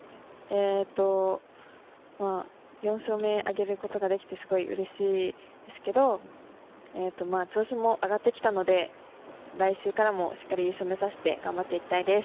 ４勝目挙げることができてすごいうれしいんですけど調子も上がってきたので来週からもしっかり優勝を目指して頑張っていきたいです。